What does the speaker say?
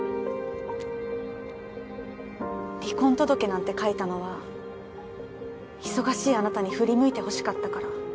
離婚届なんて書いたのは忙しいあなたに振り向いてほしかったから。